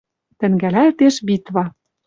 Тӹнгӓлӓлтеш битва